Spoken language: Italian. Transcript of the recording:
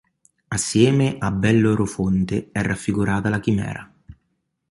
Assieme a Bellerofonte è raffigurata la chimera.